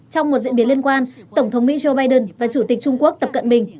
trong một diễn biến liên quan tổng thống mỹ joe biden và chủ tịch trung quốc tập cận bình